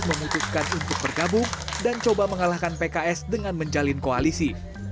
memutuskan untuk bergabung dan coba mengalahkan pks dengan menjalin koalisi